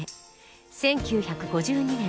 １９５２年